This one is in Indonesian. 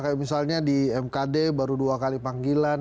kayak misalnya di mkd baru dua kali panggilan